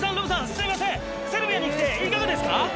すいませんセルビアに来ていかがですか？